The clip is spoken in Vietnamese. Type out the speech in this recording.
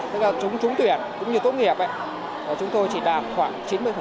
tức là chúng trúng tuyển cũng như tốt nghiệp chúng tôi chỉ đạt khoảng chín mươi